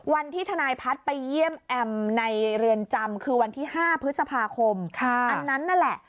ทนายพัฒน์ไปเยี่ยมแอมในเรือนจำคือวันที่๕พฤษภาคมอันนั้นนั่นแหละ